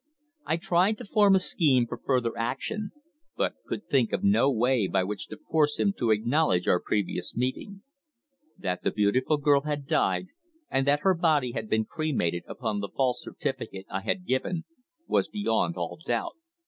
I tried to form a scheme for further action, but could think of no way by which to force him to acknowledge our previous meeting. That the beautiful girl had died, and that her body had been cremated upon the false certificate I had given, was beyond all doubt.